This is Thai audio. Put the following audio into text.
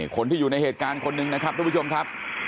คนที่อยู่ในเหตุการณ์คนหนึ่งนะครับทุกผู้ชมครับ